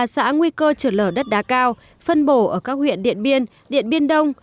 ba xã nguy cơ trượt lở đất đá cao phân bổ ở các huyện điện biên điện biên đông